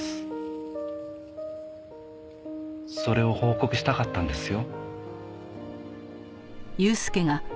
それを報告したかったんですよ。